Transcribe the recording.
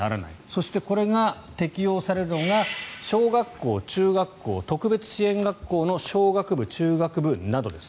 そしてこれが適用されるのが小学校、中学校、特別支援学校の小学部、中学部などです。